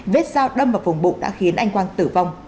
vết dao đâm vào vùng bụng đã khiến anh quang tử vong